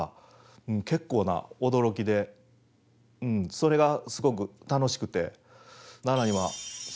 それがすごく楽しくて。